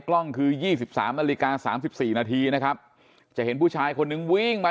กล้องคือ๒๓นาฬิกา๓๔นาทีนะครับจะเห็นผู้ชายคนนึงวิ่งมา